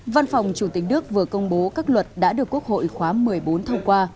văn phòng chủ tịch đức vừa công bố các luật đã được quốc hội khóa một mươi bốn thông qua